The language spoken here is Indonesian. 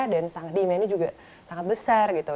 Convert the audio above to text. dan demandnya juga sangat besar gitu